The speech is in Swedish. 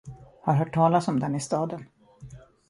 Har hört talas om den i staden.